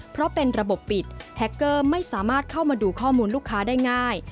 เพราะเป็นระบบปิดแท็กเกอร์ไม่สามารถเข้ามาดูข้อมูลลูกค้าได้ง่าย